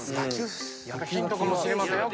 ヒントかもしれませんよ